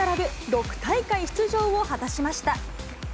６大会出場を果たしました。